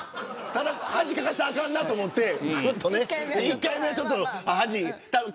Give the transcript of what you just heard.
ただ、恥をかかせたらあかんなと思って１回目はちょっと。